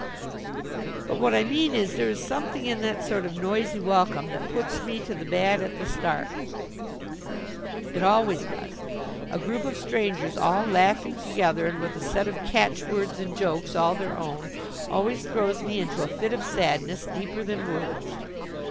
But what I mean is, there is something in that sort of noisy welcome that puts me to the bad at the start. It always does. A group of strangers all laughing together, and with a set of catchwords and jokes all their own, always throws me into a fit of sadness, deeper than words.